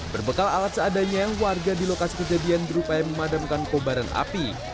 berbekal alat seadanya warga di lokasi kejadian berupaya memadamkan kobaran api